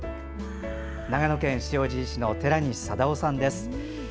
長野県塩尻市の寺西定雄さんです。